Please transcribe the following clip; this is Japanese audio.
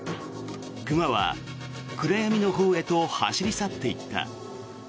熊は暗闇のほうへと走り去っていった。